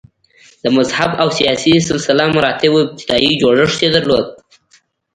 د مذهب او سیاسي سلسه مراتبو ابتدايي جوړښت یې درلود